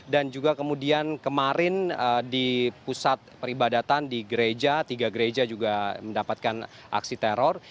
dan juga kemudian kemarin di pusat peribadatan di gereja tiga gereja juga mendapatkan aksi teror